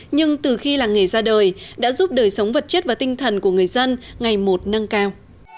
nhưng từ khi làng nghề ra đời đã giúp đời sống vật chất và tinh thần của người dân ngày một nâng cao